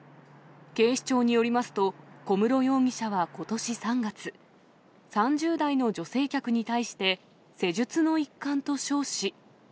警視庁によりますと、小室容疑者はことし３月、３０代の女性客に対して、施術の一環と称し。